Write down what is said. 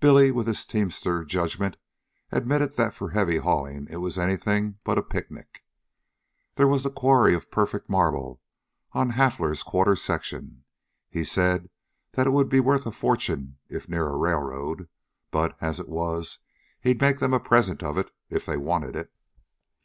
Billy, with his teamster judgment, admitted that for heavy hauling it was anything but a picnic. There was the quarry of perfect marble on Hafler's quarter section. He had said that it would be worth a fortune if near a railroad; but, as it was, he'd make them a present of it if they wanted it.